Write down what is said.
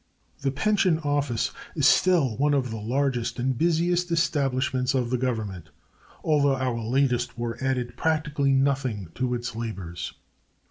The Pension Office is still one of the largest and busiest establishments of the Government, although our latest war added practically nothing to its labors.